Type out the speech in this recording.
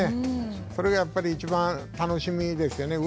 それがやっぱりいちばん楽しみですよね。